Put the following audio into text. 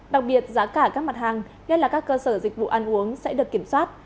đặc biệt giá cả các mặt hàng nhất là các cơ sở dịch vụ ăn uống sẽ được kiểm soát